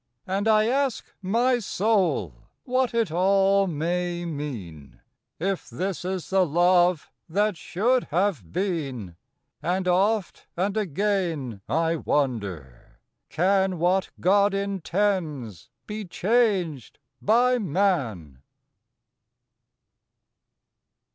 And I ask my soul what it all may mean; If this is the love that should have been. And oft and again I wonder, Can _What God intends be changed by man?